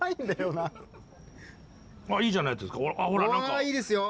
うわいいですよ。